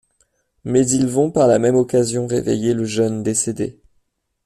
Mais ils vont par la même occasion réveiller le jeune décédé..